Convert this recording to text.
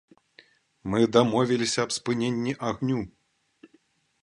Мы дамовіліся аб спыненні агню.